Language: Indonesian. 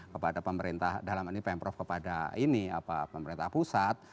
kepada pemerintah dalam ini pemprov kepada pemerintah pusat